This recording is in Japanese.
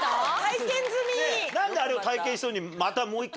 何であれを体験したのにまた。